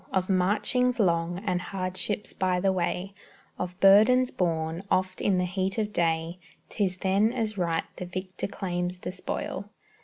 Of marchings long, and hardships by the way, Of burdens borne, oft in the heat of day, 'Tis then as right the victor claims the spoil.